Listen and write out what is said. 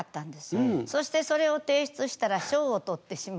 そしてそれを提出したら賞を取ってしまって。